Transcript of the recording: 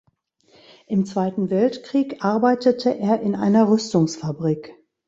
Im Zweiten Weltkrieg arbeitete er in einer Rüstungsfabrik.